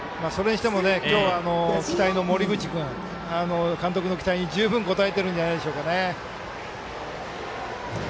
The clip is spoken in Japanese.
今日、期待の森口君監督の期待に十分応えてるんじゃないでしょうか。